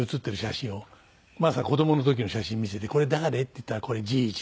真麻が子供の時の写真見せて「これ誰？」って言ったら「これじぃじ」。